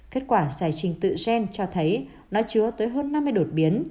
kết quả giải trình tự gen cho thấy nó chứa tới hơn năm mươi đột biến